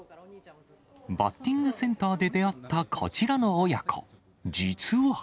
バッティングセンターで出会ったこちらの親子。